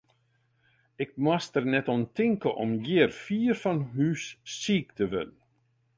Ik moast der net oan tinke om hjir, fier fan hús, siik te wurden.